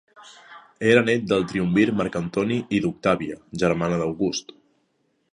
Era nét del triumvir Marc Antoni i d'Octàvia, germana d'August.